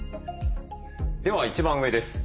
では一番上です。